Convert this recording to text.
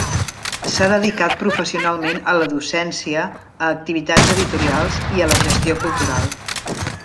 S'ha dedicat professionalment a la docència, a activitats editorials i a la gestió cultural.